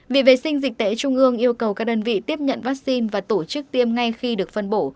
viện vệ sinh dịch tễ trung ương yêu cầu các đơn vị tiếp nhận vaccine và tổ chức tiêm ngay khi được phân bổ